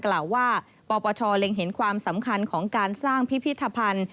กล่าวว่าปปชเล็งเห็นความสำคัญของการสร้างพิพิธภัณฑ์